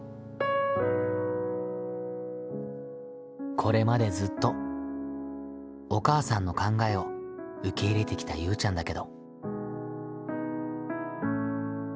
これまでずっとお母さんの考えを受け入れてきたゆうちゃんだけど。